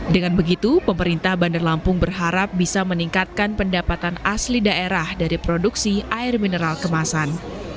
dengan begitu pemerintah bandar lampung berharap bisa meningkatkan pendapatan asli daerah dari produksi air mineral kemasan